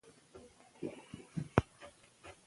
موږ باید د ښار شنه ساحې وساتو